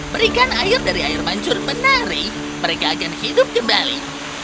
berikan air dari air mancur menari mereka akan hidup kembali